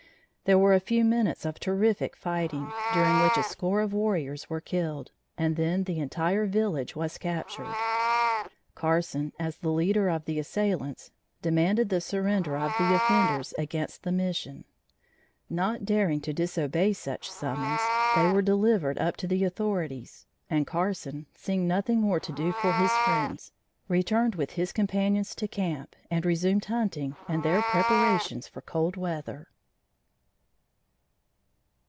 There were a few minutes of terrific fighting, during which a score of warriors were killed, and then the entire village was captured. Carson as the leader of the assailants, demanded the surrender of the offenders against the Mission. Not daring to disobey such a summons, they were delivered up to the authorities, and Carson, seeing nothing more to do for his friends, returned with his companions to camp and resumed hunting and their preparations for cold weather.